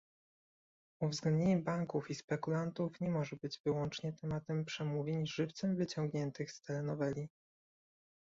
Uwzględnienie banków i spekulantów nie może być wyłącznie tematem przemówień żywcem wyciągniętych z telenoweli